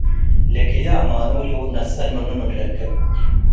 ለክልኤ አማኑቱ ነሰአን ምኑ ምን ረክብ